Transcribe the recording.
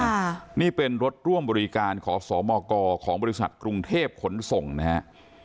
ค่ะนี่เป็นรถร่วมบริการขอสมกของบริษัทกรุงเทพขนส่งนะฮะ